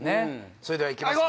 それではいきますね